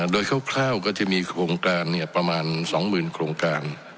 โดยคร่าวคร่าวก็จะมีโครงการเนี่ยประมาณสองหมื่นโครงการ